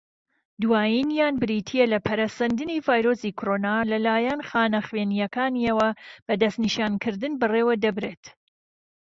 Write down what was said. دوایینیان بریتییە لە، پەرەسەندنی ڤایرۆسی کۆڕۆنا لەلایەن خانەخوێنەکانییەوە بە دەستنیشانکردن بەڕێوەدەبردێت.